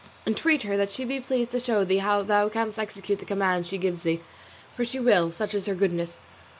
Entreat her that she be pleased to show thee how thou canst execute the command she gives thee, for she will, such is her goodness.